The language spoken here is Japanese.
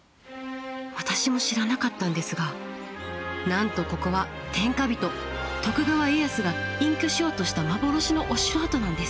私も知らなかったんですがなんとここは天下人徳川家康が隠居しようとした幻のお城跡なんです。